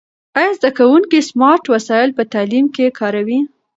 آیا زده کوونکي سمارټ وسایل په تعلیم کې کاروي؟